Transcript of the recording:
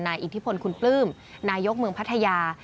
อิทธิพลคุณปลื้มนายกเมืองพัทยา